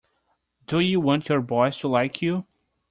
Do you want your boss to like you?